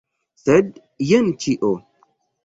Sed jen ĉio.